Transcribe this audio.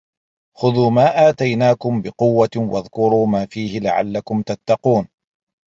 خُذُوا مَا آتَيْنَاكُمْ بِقُوَّةٍ وَاذْكُرُوا مَا فِيهِ لَعَلَّكُمْ تَتَّقُونَ